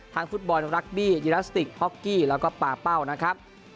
ฟุตบอลรักบี้อิลาสติกฮอกกี้แล้วก็ปาเป้านะครับ